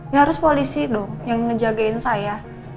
ya harus polisi dong yang ngejagain saya